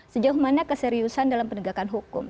sejauh mana keseriusan dalam penegakan hukum